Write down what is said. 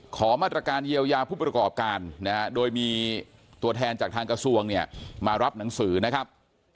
ขอมาตรการเยียวยาผู้ประกอบการนะฮะโดยมีตัวแทนจากทางกระทรวงเนี่ยมารับหนังสือนะครับ